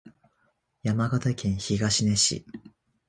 山形県東根市